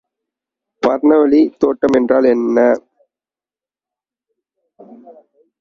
பர்னவுலி தேற்றம் என்றால் என்ன?